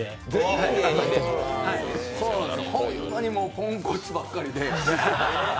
ほんまにもう、ポンコツばっかりで。